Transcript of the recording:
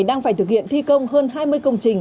đang phải thực hiện thi công hơn hai mươi công trình